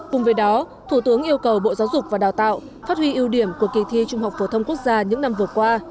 cùng với đó thủ tướng yêu cầu bộ giáo dục và đào tạo phát huy ưu điểm của kỳ thi trung học phổ thông quốc gia những năm vừa qua